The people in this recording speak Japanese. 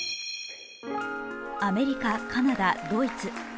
アメリカ、カナダ、ドイツ。